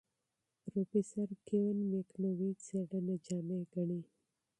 پروفیسر کیون میکونوی څېړنه جامع ګڼي.